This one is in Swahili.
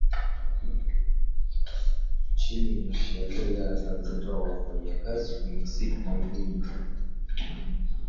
Chini ya sheria ya Zimbabwe wafanyakazi kwenye sekta muhimu ni lazima wapate kibali cha kufanya mgomo